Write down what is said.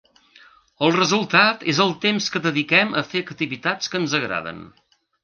El resultat és el temps que dediquem a fer activitats que ens agraden.